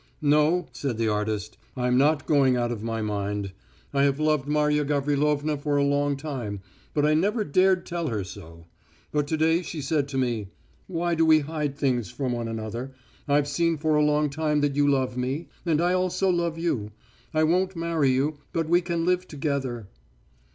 "No," said the artist, "I'm not going out of my mind. I have loved Marya Gavrilovna for a long time, but I never dared tell her so. But to day she said to me: 'Why do we hide things from one another? I've seen for a long time that you love me, and I also love you. I won't marry you, but we can live together....'"